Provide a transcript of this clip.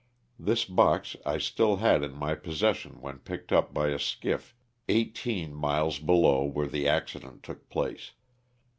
This box I still had in my possession when picked up by a skiff eighteen miles below where the accident took place.